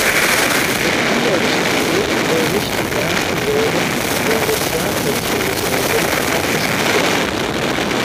Mit dieser Richtlinie soll nicht die erste Säule der Sozialversicherungsrenten abgeschafft werden.